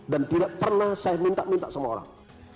dan tidak pernah saya minta minta sama orang